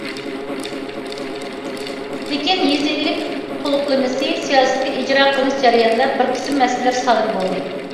لېكىن يېزا ئىگىلىك تولۇقلىمىسى سىياسىتى ئىجرا قىلىنىش جەريانىدا بىر قىسىم مەسىلىلەر سادىر بولدى.